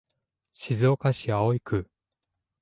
静岡市葵区